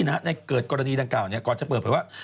ในเกิดกรณีดังกล่าวก่อนจะเปิดเผยว่า